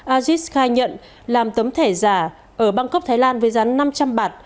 aziz khai nhận làm tấm thẻ giả ở bangkok thái lan với giá năm trăm linh bạt